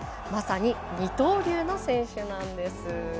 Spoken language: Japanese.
まさに二刀流の選手なんです。